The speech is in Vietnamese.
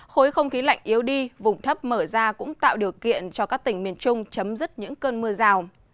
khối không khí lạnh yếu đi vùng thấp mở ra cũng tạo điều kiện cho các tỉnh miền trung chấm dứt những cơn mưa rào